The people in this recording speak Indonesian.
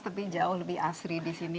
tapi jauh lebih asri di sini